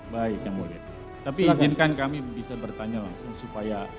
baik yang mulia tapi izinkan kami bisa bertanya langsung supaya